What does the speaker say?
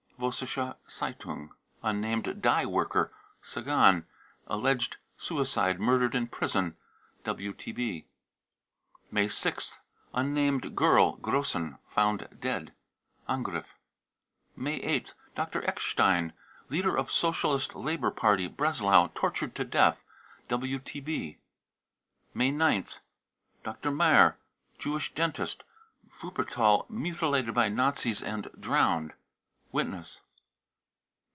(Vossische Z eitun §) unnamed dye worker, Sagan, alleged suicide, murdered in prison. (WTB.) May 6th. unnamed girl, Grossen, found dead. (Angriff.) May 8th. dr. egkstein, leader of Socialist Labour Party, Breslau, tortured to death, (WTB.) May 9th. dr. meyer, Jewish dentist, Wuppertal, mutilated by Nazis and drowned. (Witness.)